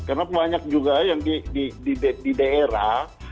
karena banyak juga yang di daerah